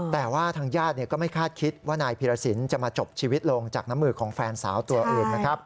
แต่ว่าทางญาติก็ไม่คาดคิดว่านายพีรสินจะมาจบชีวิตลงจากน้ำมือของแฟนสาวตัวอื่นนะครับ